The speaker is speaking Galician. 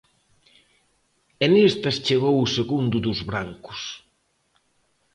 E nestas chegou o segundo dos brancos.